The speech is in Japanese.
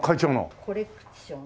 コレクションが。